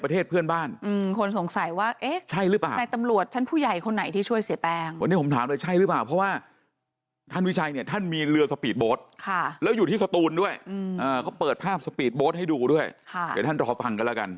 ท่านวิชัยเนี่ยท่านมีเรือสปีดโบสต์แล้วอยู่ที่สตูนด้วยเค้าเปิดภาพสปีดโบสต์ให้ดูด้วยเดี๋ยวท่านรอฟังกันแล้วกัน